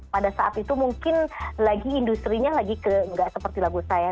pada saat itu mungkin lagi industri nya lagi nggak seperti lagu saya